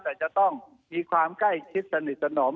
แต่จะต้องมีความใกล้ชิดสนิทสนม